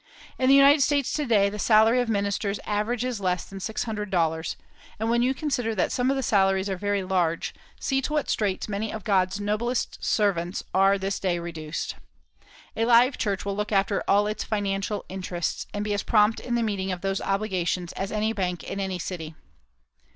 In the United States to day the salary of ministers averages less than six hundred dollars, and when you consider that some of the salaries are very large, see to what straits many of God's noblest servants are this day reduced! A live church will look after all its financial interests and be as prompt in the meeting of those obligations as any bank in any city.